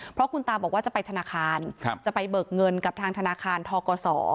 เพราะคุณตาบอกว่าจะไปธนาคารจะไปเบิกเงินกับทางธนาคารทกศ